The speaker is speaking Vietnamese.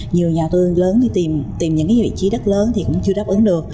nhiều nhà đầu tư lớn đi tìm những vị trí đất lớn thì cũng chưa đáp ứng được